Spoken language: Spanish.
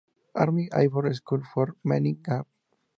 Army Airborne School, Fort Benning, Ga.